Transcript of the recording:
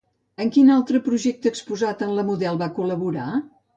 En quin altre projecte exposat en La Model va col·laborar?